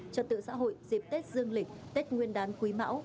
trật tự xã hội dịp tết dương lịch tết nguyên đán quý mão